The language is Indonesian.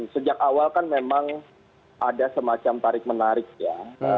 sejak awal kan memang ada semacam tarik menarik ya